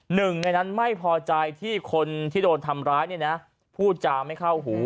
หนึ่งในนั้นไม่พอใจที่คนที่โดนทำร้ายเนี่ยนะพูดจาไม่เข้าหู